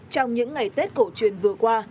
trong những ngày tết cổ truyền vừa qua